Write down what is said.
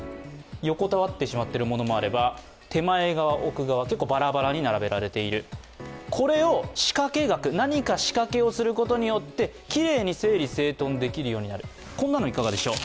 横たわってしまっているものもあれば、手前側、奥側、結構バラバラに並べられている、これを、仕掛け学何か仕掛けをすることできれいに整理整頓できるようになる、こんなの、いかがでしょう。